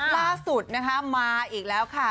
ล่าสุดนะคะมาอีกแล้วค่ะ